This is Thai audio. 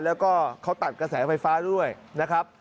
แล้วก็เขาตัดกระแสไฟฟ้าด้วยนะครับ